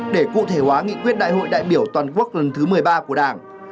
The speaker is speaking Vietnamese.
để cụ thể hóa nghị quyết đại hội đại biểu toàn quốc lần thứ một mươi ba của đảng